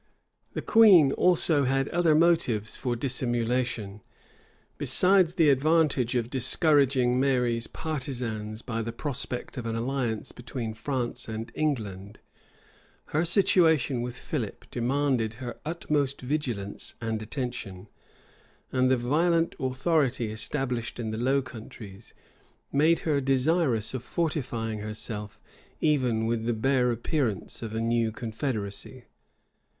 The queen also had other motives for dissimulation. Besides the advantage of discouraging Mary's partisans by the prospect of an alliance between France and England, her situation with Philip demanded her utmost vigilance and attention; and the violent authority established in the Low Countries made her desirous of fortifying herself even with the bare appearance of a new confederacy.